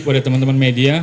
kepada teman teman media